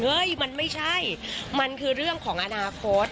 มันไม่ใช่มันคือเรื่องของอนาคต